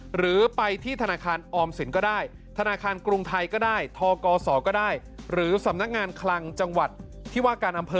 หรือไปที่ธนาคารออมสินก็ได้ธนาคารกรุงไทยก็ได้ทกศก็ได้หรือสำนักงานคลังจังหวัดที่ว่าการอำเภอ